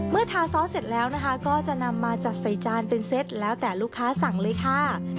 ทาซอสเสร็จแล้วนะคะก็จะนำมาจัดใส่จานเป็นเซ็ตแล้วแต่ลูกค้าสั่งเลยค่ะ